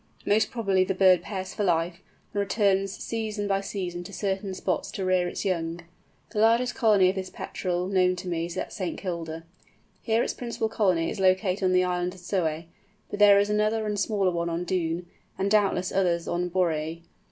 Most probably the bird pairs for life, and returns season by season to certain spots to rear its young. The largest colony of this Petrel known to me is at St. Kilda. Here its principal colony is located on the island of Soay, but there is another and smaller one on Doon, and doubtless others on Borreay.